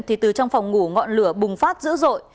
thì từ trong phòng ngủ ngọn lửa bùng phát dữ dội